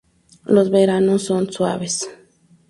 Los veranos son suaves.